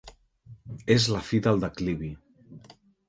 És la fi del declivi.